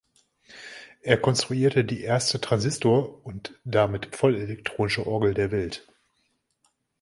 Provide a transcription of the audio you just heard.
Er konstruierte die erste Transistor- und damit vollelektronische Orgel der Welt.